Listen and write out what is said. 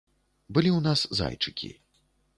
Былі ў нас зайчыкі.